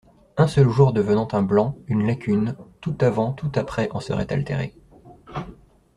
Un seul jour devenant un blanc, une lacune, tout avant, tout après en serait altéré.